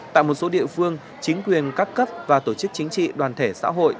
tại một số địa phương chính quyền các cấp và tổ chức chính trị đoàn thể xã hội